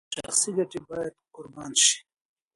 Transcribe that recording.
شخصي ګټې باید قربان شي.